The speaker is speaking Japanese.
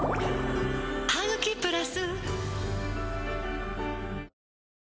「ハグキプラス」